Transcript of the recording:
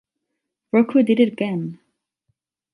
Rocco Did It Again!